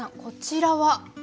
こちらは？